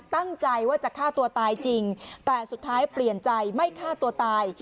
ตั้งใจว่าจะฆ่าตัวตายจริงแต่สุดท้ายเปลี่ยนใจไม่ฆ่าตัวตาย